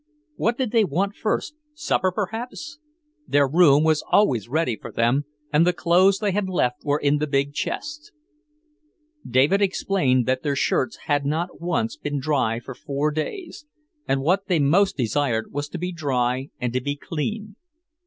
What did they want first, supper, perhaps? Their room was always ready for them; and the clothes they had left were in the big chest. David explained that their shirts had not once been dry for four days; and what they most desired was to be dry and to be clean.